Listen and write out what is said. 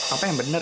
apa yang bener